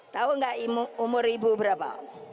tahu nggak umur ibu berapa